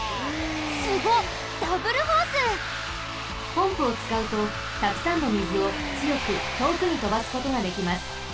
ポンプをつかうとたくさんのみずをつよくとおくにとばすことができます。